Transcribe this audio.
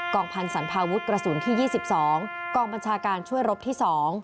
องพันธ์สันพาวุฒิกระสุนที่๒๒กองบัญชาการช่วยรบที่๒